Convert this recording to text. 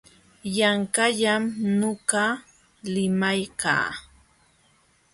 Yanqallam nuqa limaykaa.